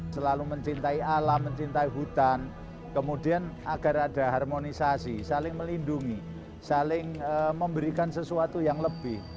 selalu mencintai alam mencintai hutan kemudian agar ada harmonisasi saling melindungi saling memberikan sesuatu yang lebih